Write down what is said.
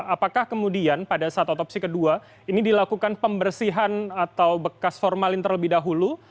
apakah kemudian pada saat otopsi kedua ini dilakukan pembersihan atau bekas formalin terlebih dahulu